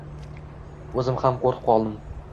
O`zim ham qo`rqib qoldim